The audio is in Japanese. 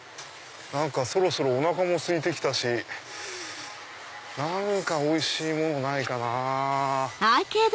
そろそろおなかもすいて来たし何かおいしいものないかな？